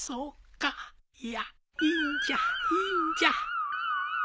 いやいいんじゃいいんじゃ。